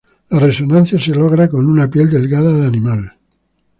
La resonancia se logra con una piel delgada de animal.